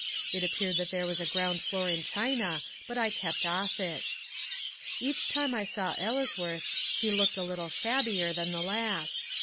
It appeared that there was a ground floor in China, but I kept off it. Each time I saw Ellesworth he looked a little shabbier than the last.